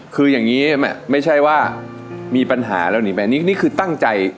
คืออย่างนี้ไม่ใช่ว่ามีปัญหาแล้วหนีไปนี่คือตั้งใจ